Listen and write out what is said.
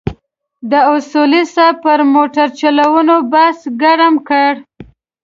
د اصولي صیب پر موټرچلونې بحث ګرم کړ.